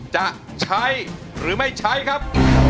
จะใช้หรือไม่ใช้ครับ